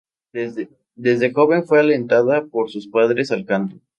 Desde joven fue alentada por sus padres al canto.